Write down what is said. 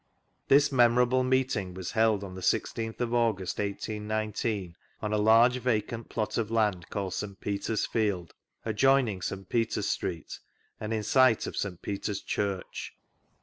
This memorable meeting was held on the i6th of August, 1819, on a large vacant plot o( land called St. Peter's field, adjoining St. Peter's Street, and in sight of St. Peter's Church.